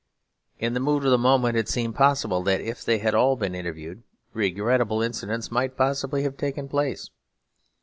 In the mood of the moment it seemed possible that, if they had all been interviewed, regrettable incidents might possibly have taken place.